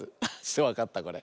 わかったこれ？